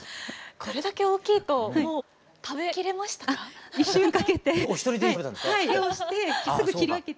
これだけ大きいと食べ切れましたか？